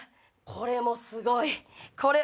これもすごい！